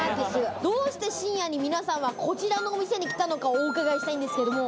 どうして深夜に皆さん、こちらのお店に来たのか、お伺いしたいんですけれども。